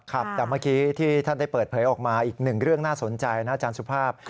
แต่เมื่อกี้ที่ท่านได้เปิดเผยออกมาอีกหนึ่งเรื่องน่าสนใจนะอาจารย์สุภาพ